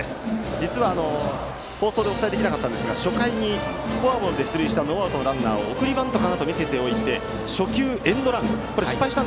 実は、放送ではお伝えできませんでしたが初回にフォアボールで出塁したノーアウトのランナーを送りバントかなと見せておいて初球エンドラン。